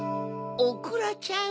おくらちゃん。